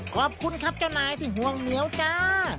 ขอบคุณครับเจ้านายที่ห่วงเหนียวจ้า